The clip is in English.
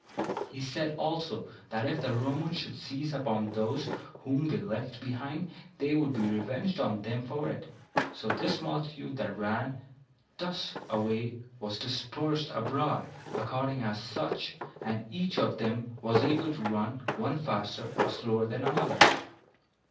He said also, that if the Romans should seize upon those whom they left behind, they would be revenged on them for it. So this multitude that run thus away was dispersed abroad, according as each of them was able to run, one faster or slower than another.